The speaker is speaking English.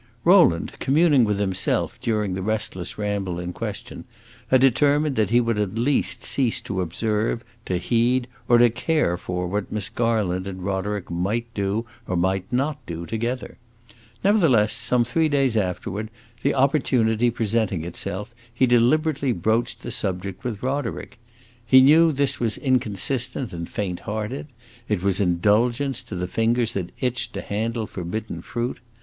Rowland, communing with himself during the restless ramble in question, had determined that he would at least cease to observe, to heed, or to care for what Miss Garland and Roderick might do or might not do together. Nevertheless, some three days afterward, the opportunity presenting itself, he deliberately broached the subject with Roderick. He knew this was inconsistent and faint hearted; it was indulgence to the fingers that itched to handle forbidden fruit.